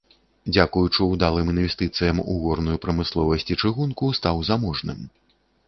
Дзякуючы ўдалым інвестыцыям у горную прамысловасць і чыгунку стаў заможным.